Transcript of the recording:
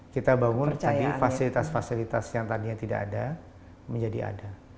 kita bangun tadi fasilitas fasilitas yang tadinya tidak ada menjadi ada